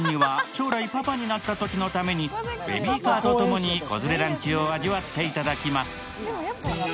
小関君には将来パパになったときのためにベビーカーとともに子連れランチを味わっていただきます。